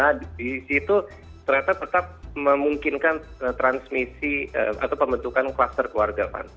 nah disitu ternyata tetap memungkinkan transmisi atau pembentukan kluster keluarga